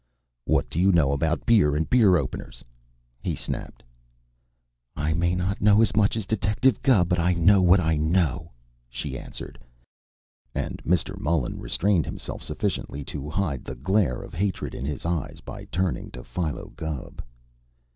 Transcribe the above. "What do you know about beer and beer openers?" he snapped. "I may not know as much as Detective Gubb, but I know what I know!" she answered, and Mr. Mullen restrained himself sufficiently to hide the glare of hatred in his eyes by turning to Philo Gubb.